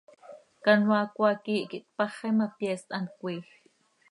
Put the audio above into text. Canoaa cmaa quiih quih tpaxi ma, pyeest hant cömiij.